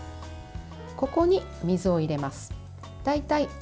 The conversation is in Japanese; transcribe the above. ここに水を入れます。